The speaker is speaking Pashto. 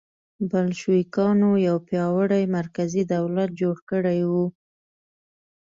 بلشویکانو یو پیاوړی مرکزي دولت جوړ کړی و